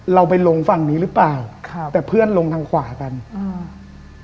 เราไปลงฝั่งนี้หรือเปล่าครับแต่เพื่อนลงทางขวากันอืม